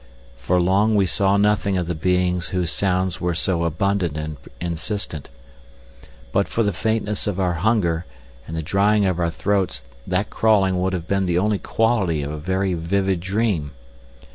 For long we saw nothing of the beings whose sounds were so abundant and insistent. But for the faintness of our hunger and the drying of our throats that crawling would have had the quality of a very vivid dream.